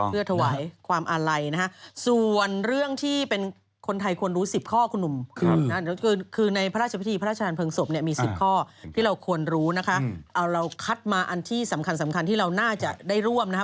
เอาเราคัดมาอันที่สำคัญที่เราน่าจะได้ร่วมนะฮะ